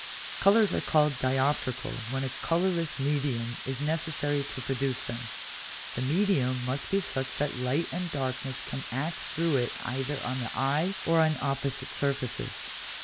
Colours are called dioptrical when a colourless medium is necessary to produce them; the medium must be such that light and darkness can act through it either on the eye or on opposite surfaces.